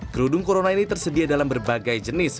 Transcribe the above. kerudung corona ini tersedia dalam berbagai jenis